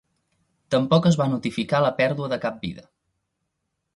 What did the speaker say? Tampoc es va notificar la pèrdua de cap vida.